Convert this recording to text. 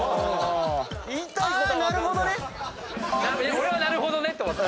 俺はなるほどねと思った。